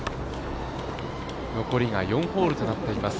残りが４ホールとなっています。